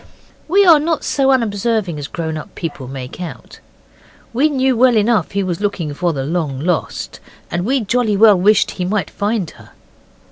We are not so unobserving as grown up people make out. We knew well enough he was looking for the long lost. And we jolly well wished he might find her.